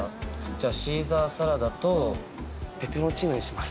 じゃあシーザーサラダとペペロンチーノにします。